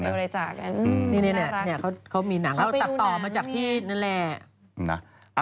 นี่เขามีหนังแล้วตัดต่อมาจากที่นั่นแหละ